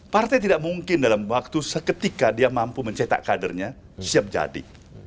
partai tidak mungkin dalam waktu seketika dia mampu mencetak kadernya siap jadi